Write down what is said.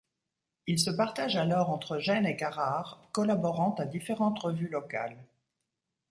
Il se partage alors entre Gênes et Carrare, collaborant à différentes revues locales.